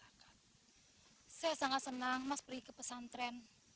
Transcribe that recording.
senang mas pergi ke pesantren